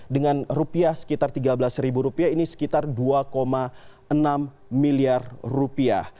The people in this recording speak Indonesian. dengan rupiah sekitar tiga belas ribu rupiah ini sekitar dua enam miliar rupiah